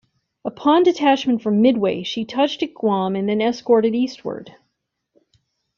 Upon detachment from "Midway", she touched at Guam, and then escorted eastward.